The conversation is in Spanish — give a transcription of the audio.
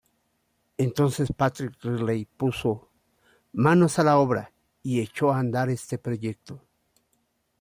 Entonces patrick Riley puso manos a la obra, y echó a andar ese proyecto.